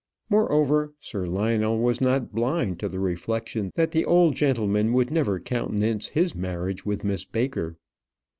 Moreover, Sir Lionel was not blind to the reflection that the old gentleman would never countenance his marriage with Miss Baker.